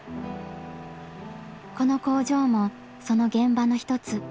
この工場もその現場の一つ。